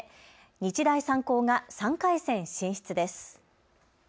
日大三高が３回戦進出です。